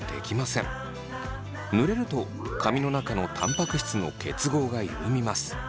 濡れると髪の中のたんぱく質の結合が緩みます。